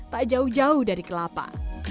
tak jauh jauh dari kelapa